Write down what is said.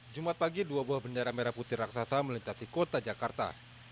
jumat pagi dua buah bendera merah putih raksasa melintasi kota jakarta